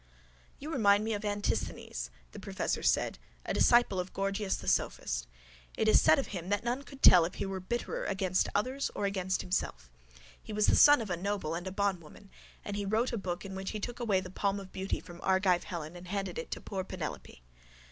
—You remind me of Antisthenes, the professor said, a disciple of Gorgias, the sophist. It is said of him that none could tell if he were bitterer against others or against himself. He was the son of a noble and a bondwoman. And he wrote a book in which he took away the palm of beauty from Argive Helen and handed it to poor Penelope.